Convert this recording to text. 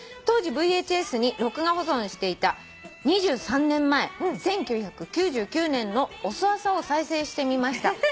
「当時ＶＨＳに録画保存していた２３年前１９９９年の『おそ朝』を再生してみました」